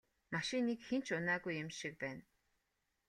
Машиныг хэн ч унаагүй юм шиг байна.